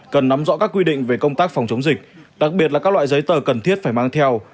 cần nắm rõ các quy định về công tác phòng chống dịch đặc biệt là các loại giấy tờ cần thiết phải mang theo